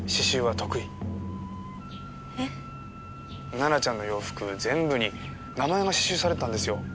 奈々ちゃんの洋服全部に名前が刺繍されてたんですよ。